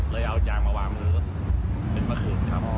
เอาจากมาวางมือเป็นเมื่อคืนครับ